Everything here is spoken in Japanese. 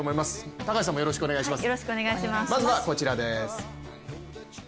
高橋さんもよろしくお願いします。